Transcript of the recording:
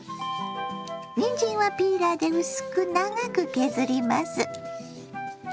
にんじんはピーラーで薄く長く削ります。